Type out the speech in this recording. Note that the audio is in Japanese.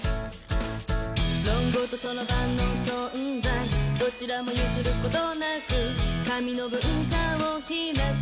「論語と算盤の存在どちらも譲ることなく」「紙の文化を拓き」